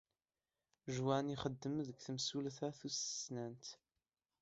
Juan ixeddem deg temsulta tussnant.